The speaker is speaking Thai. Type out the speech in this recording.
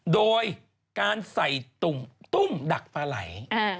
โดยการใส่ตุ้มดักปลาไหล